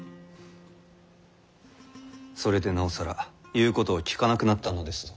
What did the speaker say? それでなおさら言うことを聞かなくなったのですぞ。